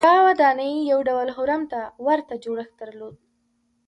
دا ودانۍ یو ډول هرم ته ورته جوړښت درلود.